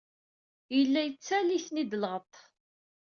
Yella yettaley-ten-id lɣeṭṭ.